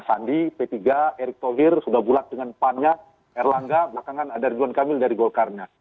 sandi p tiga erick thohir sudah bulat dengan pannya erlangga belakangan ada ridwan kamil dari golkarnya